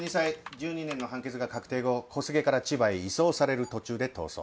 １２年の判決が確定後小菅から千葉へ移送される途中で逃走。